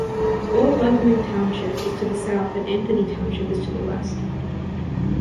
Old Lycoming Township is to the south and Anthony Township is to the west.